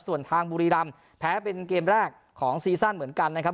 ส่วนทางบุรีรำแพ้เป็นเกมแรกของซีซั่นเหมือนกันนะครับ